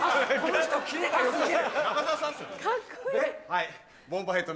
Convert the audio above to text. はい。